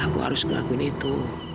aku harus ngelakuin itu